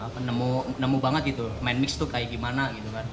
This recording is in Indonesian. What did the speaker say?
jadi belum nemu banget gitu main mix tuh kayak gimana gitu kan